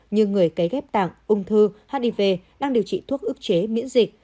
như người cấy ghép tạng ung thư hiv đang điều trị thuốc ức chế miễn dịch